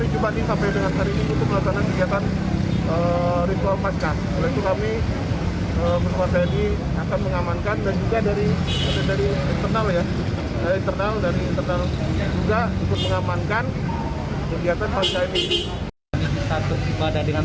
jumat agung jumat pantai kosta puluhan petugas tni dan polisi bersenjata laras panjang